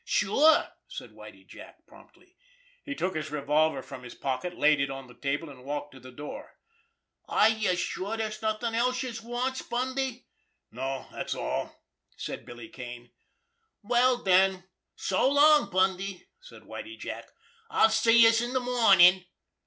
"Sure!" said Whitie Jack promptly. He took his revolver from his pocket, laid it on the table, and walked to the door. "Are youse sure dere's nothin' else youse wants, Bundy?" "No, that's all," said Billy Kane. "Well den, so long, Bundy!" said Whitie Jack. "I'll see youse in de mornin'!"